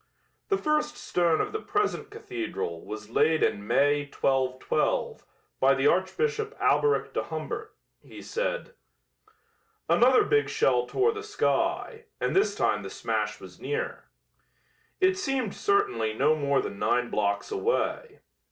"The first stone of the present cathedral was laid in May, 1212, by the Archbishop Alberic de Humbert," he said. Another big shell tore the sky, and this time the smash was nearer. It seemed certainly no more than nine blocks away.